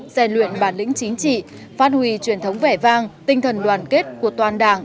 rèn luyện bản lĩnh chính trị phát huy truyền thống vẻ vang tinh thần đoàn kết của toàn đảng